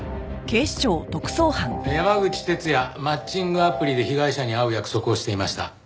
山口哲也マッチングアプリで被害者に会う約束をしていました。